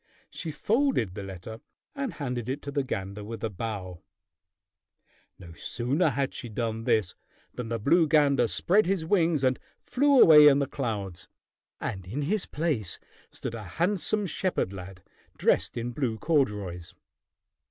She folded the letter and handed it to the gander with a bow. No sooner had she done this than the blue gander spread his wings and flew away in the clouds, and in his place stood a handsome shepherd lad dressed in blue corduroys.